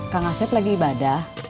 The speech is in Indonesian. kak ngasep lagi ibadah